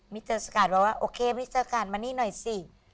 มิเตอร์สการ์ดบอกว่าโอเคมิเตอร์สการ์ดมานี่หน่อยสิ